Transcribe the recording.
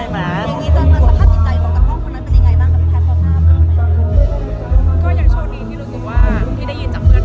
ไม่ได้ตอบว่าแต่แค่จะถามว่าน้องแบบทางเผดร้าน